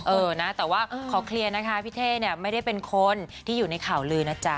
เออนะแต่ว่าขอเคลียร์นะคะพี่เท่เนี่ยไม่ได้เป็นคนที่อยู่ในข่าวลือนะจ๊ะ